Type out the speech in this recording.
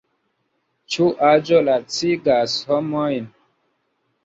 Ĉu aĝo lacigas homojn?